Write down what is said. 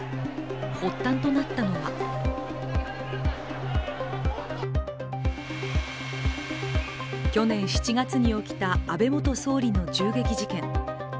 発端となったのは去年７月に起きた安倍元総理の銃撃事件。